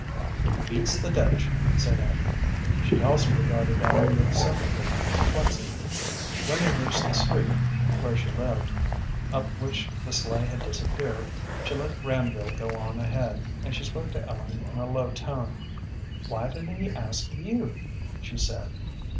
"It beats the Dutch," said Abby. She also regarded Ellen with sympathy and perplexity. When they reached the street where she lived, up which the sleigh had disappeared, she let Granville go on ahead, and she spoke to Ellen in a low tone. "Why didn't he ask you?" she said.